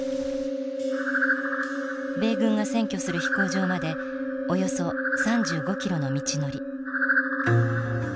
米軍が占拠する飛行場までおよそ３５ｋｍの道のり。